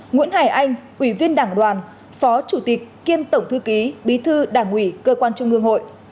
nguyễn hải anh ủy viên đảng đoàn phó chủ tịch kiêm tổng thư ký bí thư đảng ủy cơ quan trung ương hội